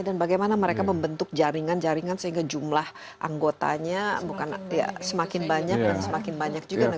dan bagaimana mereka membentuk jaringan jaringan sehingga jumlah anggotanya semakin banyak dan semakin banyak juga negara yang ikut ikut